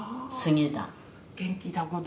元気だこと。